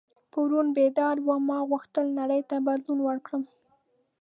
پرون بیدار وم ما غوښتل نړۍ ته بدلون ورکړم.